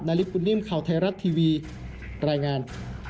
นายลิฟต์กุฏนิ่มข่าวไทยรัฐทีวีแรงงาน